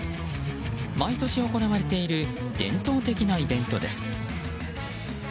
毎年行われている伝統的なイベントです。